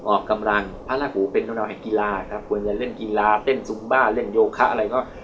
ออกกำลังพระราหูเป็นกำลังแห่งกีฬาครับควรจะเล่นกีฬาเต้นซุมบ้าเล่นโยคะอะไรก็